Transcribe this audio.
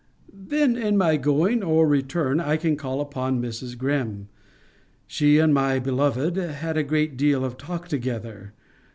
Then, in my going or return, I can call upon Mrs. Greme. She and my beloved had a great deal of talk together.